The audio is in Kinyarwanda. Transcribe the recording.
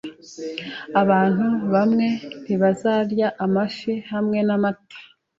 Abantu bamwe ntibazarya amafi hamwe namata.